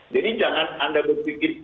jadi jangan anda berpikir